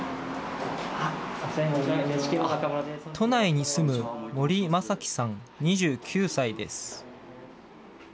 都内に住む森柾貴さん２９歳です。